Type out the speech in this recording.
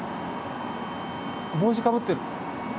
帽子かぶってる。